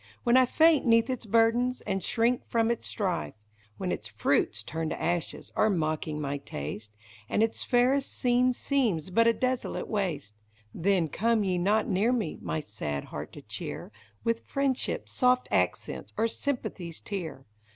When I faint 'neath its burdens, and shrink from its strife. When its fruits, turned to ashes, are mocking my taste. And its fairest scene seems but a desolate waste, THE HORSEBACK RIDE. 5 Then come ye not near me, my sad heart to cheer With friendship's soft accents or sympathy's tear.